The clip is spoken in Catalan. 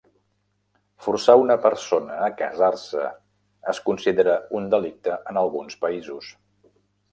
Forçar una persona a casar-se es considera un delicte en alguns països.